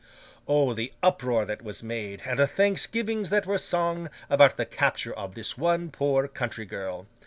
O the uproar that was made, and the thanksgivings that were sung, about the capture of this one poor country girl!